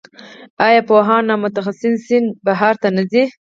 آیا پوهان او متخصصین بهر ته نه ځي؟